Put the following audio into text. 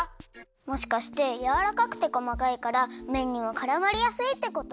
もしかしてやわらかくてこまかいからめんにはからまりやすいってこと？